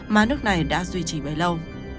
mà nước này đã duy trì bấy lâu